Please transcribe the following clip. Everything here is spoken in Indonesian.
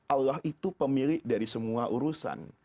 allah itu pemilik dari semua urusan